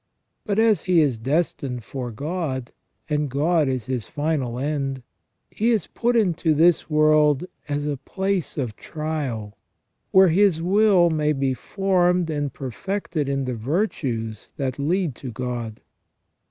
But as he is destined for God, and God is his final end, he is put into this world as a place of trial, where his will may be formed and perfected in the virtues that lead to God.